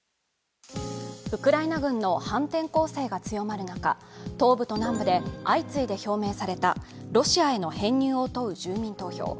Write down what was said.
ウクライナ軍の反転攻勢が強まる中、東部と南部で相次いで表明されたロシアへの編入を問う住民投票。